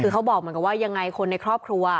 คือเขาบอกเหมือนกับว่ายังไงคนในครอบครัว